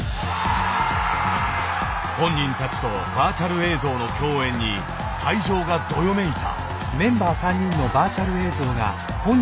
本人たちとバーチャル映像の共演に会場がどよめいた。